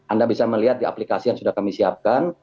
anda bisa melihat di aplikasi yang sudah kami siapkan